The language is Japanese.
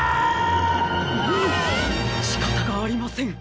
しかたがありません。